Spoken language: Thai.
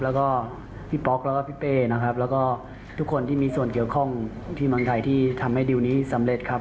แล้วก็พี่ป๊อกแล้วก็พี่เป้นะครับแล้วก็ทุกคนที่มีส่วนเกี่ยวข้องที่เมืองไทยที่ทำให้ดิวนี้สำเร็จครับ